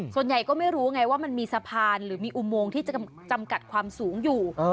ส่วนใหญ่ก็ไม่รู้ไงว่ามันมีสะพานหรือมีอุโมงที่จะจำกัดความสูงอยู่